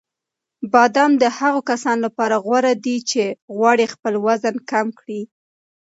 بادام د هغو کسانو لپاره غوره دي چې غواړي خپل وزن کم کړي.